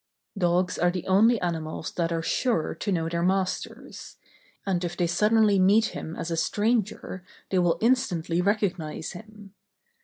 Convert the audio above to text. Dogs are the only animals that are sure to know their masters; and if they suddenly meet him as a stranger they will instantly recognize him.